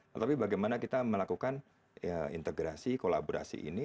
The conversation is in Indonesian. tetapi bagaimana kita melakukan integrasi kolaborasi ini